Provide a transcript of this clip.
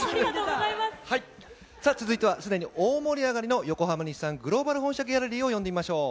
続いては、すでに大盛り上がりの横浜・日産グローバルギャラリーの呼んでみましょう。